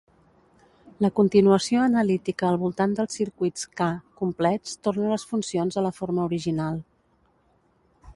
La continuació analítica al voltant dels circuits "k" complets torna les funcions a la forma original.